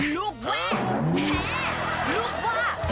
ลูกแวะแพ้ลูกว่า